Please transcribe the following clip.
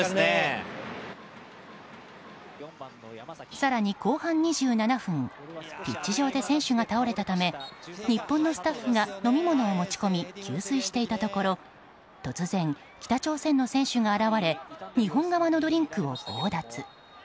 更に後半２７分ピッチ上で選手が倒れたため日本のスタッフが飲み物を持ち込み給水していたところ突然、北朝鮮の選手が現れ日本側のドリンクを強奪。